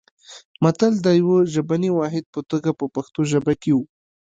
متل د یوه ژبني واحد په توګه په پښتو ژبه کې و